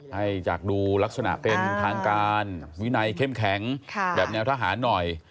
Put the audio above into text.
ให้จากดูลักษณะเป็นทางการวินัยเข้มแข็งแบบแนวทหารหน่อย